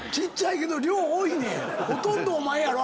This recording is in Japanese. ほとんどお前やろ？